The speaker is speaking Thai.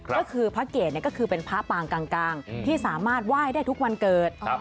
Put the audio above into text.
ก็คือพระเกตก็คือเป็นพระปางกลางที่สามารถไหว้ได้ทุกวันเกิด